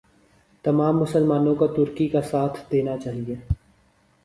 تمام مسلمانوں کو ترکی کا ساتھ دینا چاہئے